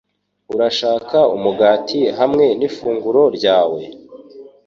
Urashaka umugati hamwe nifunguro ryawe?